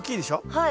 はい。